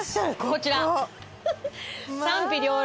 こちら！